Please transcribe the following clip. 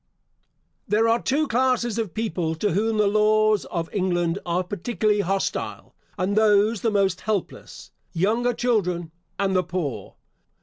There are two classes of people to whom the laws of England are particularly hostile, and those the most helpless; younger children, and the poor.